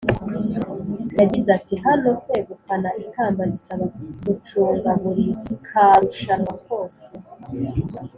yagize ati" hano kwegukana ikamba bisaba gucunga buri ka rushanwa kose